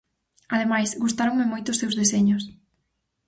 Ademais, gustáronme moito os seus deseños.